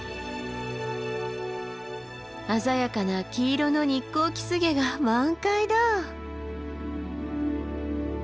鮮やかな黄色のニッコウキスゲが満開だ。